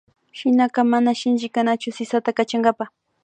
Shinaka mana sinchi kanachu sisata kachankapa